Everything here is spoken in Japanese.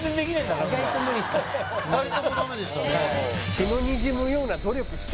２人ともダメでしたね